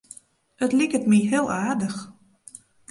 It liket my hiel aardich.